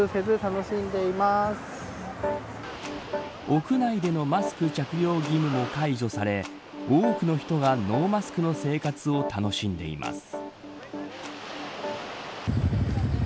屋内でのマスク着用義務も解除され多くの人がノーマスクの生活を楽しんでいます。